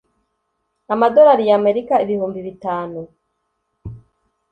amadorari ya Amerika ibihumbi bitanu.